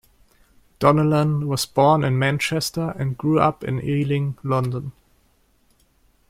Donnellan was born in Manchester and grew up in Ealing, London.